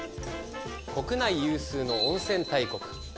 国内有数の温泉大国群馬県。